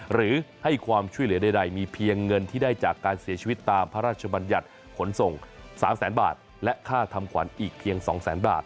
หรือให้ความช่วยเหลือใดมีเพียงเงินที่ได้จากการเสียชีวิตตามพระราชบัญญัติขนส่ง๓แสนบาทและค่าทำขวัญอีกเพียง๒แสนบาท